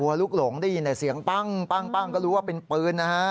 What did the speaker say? หัวลูกหลงได้ยินแหละเสียงปั้งก็รู้ว่าเป็นปืน